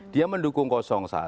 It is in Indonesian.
dia mendukung satu